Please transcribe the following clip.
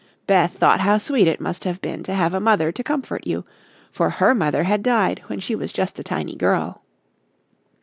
Beth thought how sweet it must have been to have a mother to comfort you, for her mother had died when she was just a tiny girl.